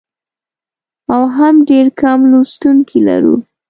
او هم ډېر کم لوستونکي لرو.